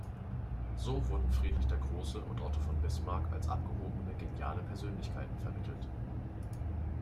So wurden Friedrich der Große und Otto von Bismarck als abgehobene, geniale Persönlichkeiten vermittelt.